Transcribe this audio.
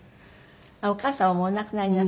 お母様もお亡くなりになった？